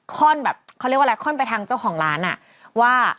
ข้อนแบบเขาเรียกว่าอะไรค่อนไปทางเจ้าของร้านอ่ะว่า